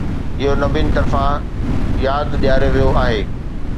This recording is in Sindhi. اهو نبين طرفان ياد ڏياريو ويو آهي.